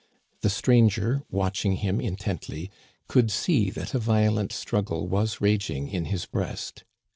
The stranger, watching him intently, could see that a violent struggle was raging in his breast.